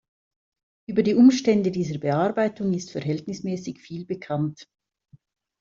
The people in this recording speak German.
Über die Umstände dieser Bearbeitung ist verhältnismäßig viel bekannt.